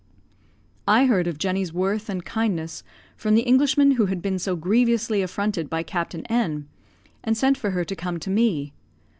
I heard of Jenny's worth and kindness from the Englishman who had been so grievously affronted by Captain N , and sent for her to come to me.